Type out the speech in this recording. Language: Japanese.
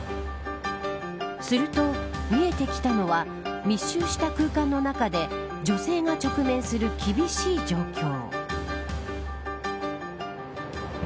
すると、見えてきたのは密集した空間の中で女性が直面する厳しい状況。